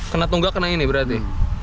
kena tunggal kena ini berarti